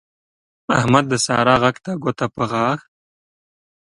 احمد د سارا غږ ته ګوته په غاښ